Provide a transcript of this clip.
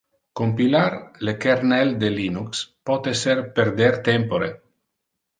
Compilar le kernel de Linux pote ser perder tempore.